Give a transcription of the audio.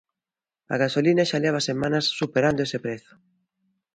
A gasolina xa leva semanas superando ese prezo.